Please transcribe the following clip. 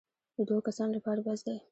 د دوو کسانو لپاره بس دی.